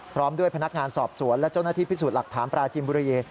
พร้อมด้วยพนักงานสอบสวนและเจ้าหน้าที่พิสูจน์หลักฐานปราจินบุรี